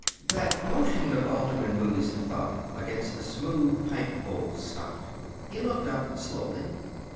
That motion of Alderman Mooney's thumb against the smooth pipe bowl stopped. He looked up slowly.